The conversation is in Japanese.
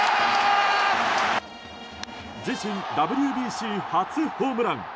自身ＷＢＣ初ホームラン。